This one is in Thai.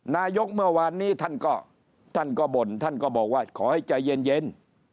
นายกเมื่อวานนี้ท่านก็บ่นท่านก็บอกว่าขอให้ใจเย็น